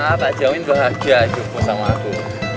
apa jamin bahagia hidupmu sama aku